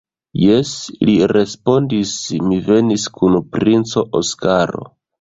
Jes, li respondis mi venis kun princo Oskaro.